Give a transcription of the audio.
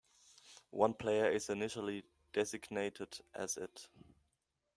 One player is initially designated as it.